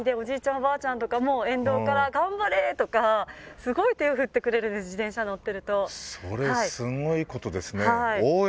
おばあちゃんとかも沿道から「頑張れー」とかすごい手を振ってくれるんです自転車乗ってるとそれすごいことですね